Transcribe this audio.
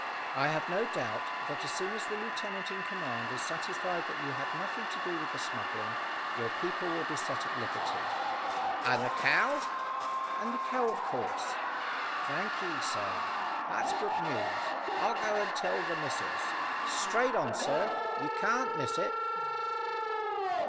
"I have no doubt that as soon as the lieutenant in command is satisfied that you had nothing to do with the smuggling, your people will be set at liberty." "And the cow?" "And the cow of course." "Thank ye, sir; that's good news. I'll go and tell the missus. Straight on, sir; you can't miss it."